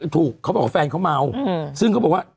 เขาบอกว่าแฟนเขาเมาซึ่งเขาบอกว่า